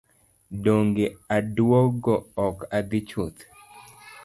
Donge aduogo ok adhi chuth.